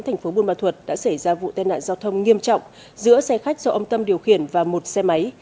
thành phố buôn ma thuật đã xảy ra vụ tai nạn giao thông nghiêm trọng giữa xe khách do ông tâm điều khiển và một xe máy